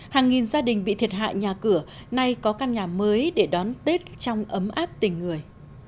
hàng nghìn gia đình bị thiệt hại nhà cửa nay có căn nhà mới để đón tết trong ấm áp tình người